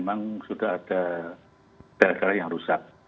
memang sudah ada daerah daerah yang rusak